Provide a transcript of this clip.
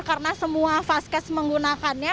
karena semua vaskes menggunakannya